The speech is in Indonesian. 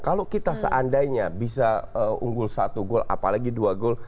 kalau kita seandainya bisa unggul satu gol apalagi dua gol